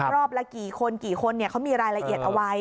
ละกี่คนกี่คนเขามีรายละเอียดเอาไว้